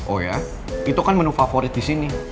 oh ya itu kan menu favorit di sini